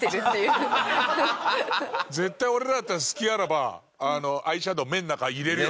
絶対俺らだったら隙あらばアイシャドー目の中入れるよね。